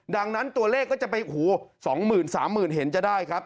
ดังนั้นตัวเลขก็จะไปหูสองหมื่นสามหมื่นเห็นจะได้ครับ